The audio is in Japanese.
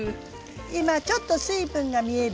今ちょっと水分が見える？